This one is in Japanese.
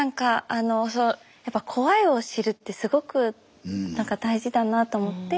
あのやっぱ「こわいをしる」ってすごく大事だなと思って。